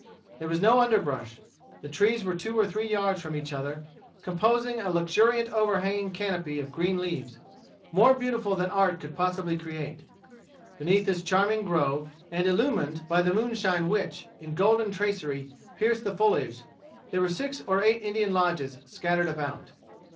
There was no underbrush. The trees were two or three yards from each other, composing a luxuriant overhanging canopy of green leaves, more beautiful than art could possibly create. Beneath this charming grove, and illumined by the moonshine which, in golden tracery, pierced the foliage, there were six or eight Indian lodges scattered about.